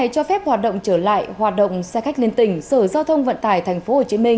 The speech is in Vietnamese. cho phép hoạt động trở lại hoạt động xe khách liên tỉnh sở giao thông vận tải tp hcm